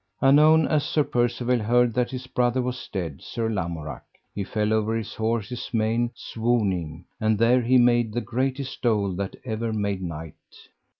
Anon as Sir Percivale heard that his brother was dead, Sir Lamorak, he fell over his horse's mane swooning, and there he made the greatest dole that ever made knight.